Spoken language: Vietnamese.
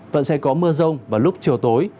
vẫn sẽ có mưa rông vào lúc chiều tối